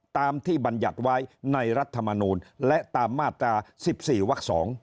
ตามที่บรรยัติไว้ในรัฐมนูลและตามมาตรา๑๔วัก๒